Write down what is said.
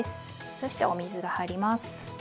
そしてお水が入ります。